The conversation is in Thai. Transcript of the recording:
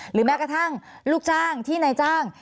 แม้กระทั่งลูกจ้างที่นายจ้าง